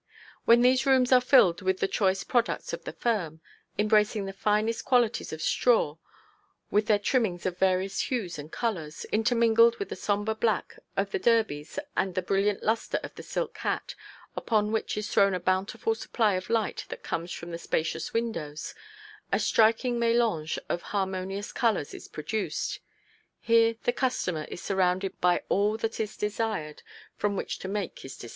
When these rooms are filled with the choice products of the firm, embracing the finest qualities of straw, with their trimmings of various hues and colors, intermingled with the sombre black of the derbys and the brilliant lustre of the silk hat, upon which is thrown a bountiful supply of light that comes from the spacious windows, a striking melange of harmonious colors is produced. Here the customer is surrounded by all that is desired from which to make his selection.